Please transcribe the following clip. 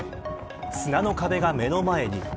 砂の壁が目の前に。